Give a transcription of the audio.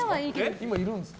今、いるんですか？